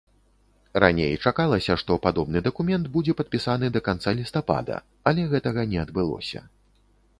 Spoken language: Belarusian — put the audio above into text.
Раней чакалася, што падобны дакумент будзе падпісаны да канца лістапада, але гэтага не адбылося.